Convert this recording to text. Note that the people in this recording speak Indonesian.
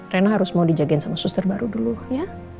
rena harus mau dijagain sama suster baru dulu ya